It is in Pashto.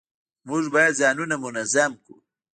موږ باید ځانونه منظم کړو